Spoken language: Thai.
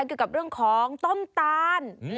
เกี่ยวกับเรื่องของต้มตาล